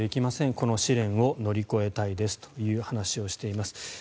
この試練を乗り越えたいですという話をしています。